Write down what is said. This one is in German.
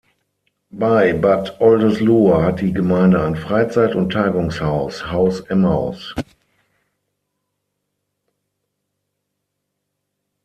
Bei Bad Oldesloe hat die Gemeinde ein Freizeit- und Tagungshaus, „Haus Emmaus“.